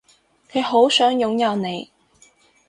佢好想擁有你